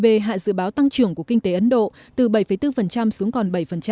adb đã giữ nguyên các mức dự báo tăng trưởng của kinh tế ấn độ từ bảy bốn xuống còn bảy